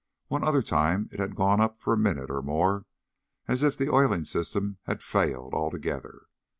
One other time it had gone up for a minute or more as if the oiling system had failed altogether.